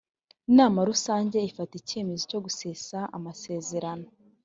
inama rusange ifata icyemezo cyo gusesa amasezerano